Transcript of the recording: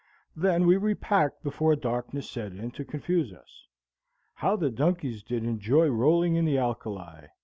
Then we repacked before darkness set in to confuse us. How the donkeys did enjoy rolling in the alkali!